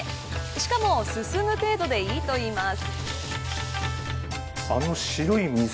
しかも、すすぐ程度でいいといいます。